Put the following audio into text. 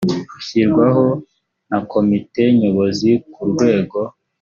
ushyirwaho na komite nyobozi ku rwego